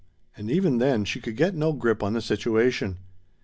And even then she could get no grip on the situation.